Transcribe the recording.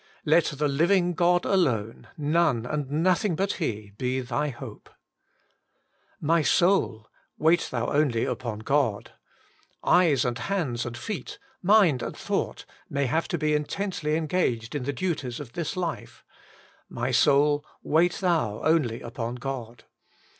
Let the Living God alone, none and nothing but He, be thy hope. WAITING ON GOD/ ' 147 * My soulj wait thou only apon God/ Eyes and hands and feet, mind and thought, may have to be intently engaged in the duties of this life ;* My soul, wait thou only upon God.'